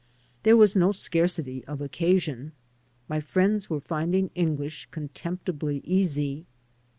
There was no scarcity of occasion. My friends were finding English contemptibly easy.